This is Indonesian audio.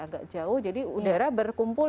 agak jauh jadi udara berkumpul